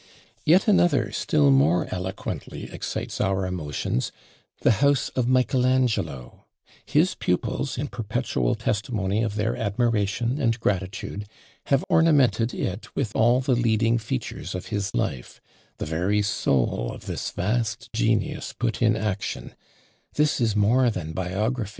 Yet another still more eloquently excites our emotions the house of Michael Angelo: his pupils, in perpetual testimony of their admiration and gratitude, have ornamented it with all the leading features of his life; the very soul of this vast genius put in action: this is more than biography!